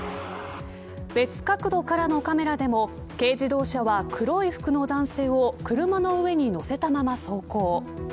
別角度からのカメラでも軽自動車は黒い服の男性を車の上に乗せたまま走行。